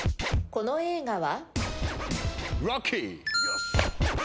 この映画は？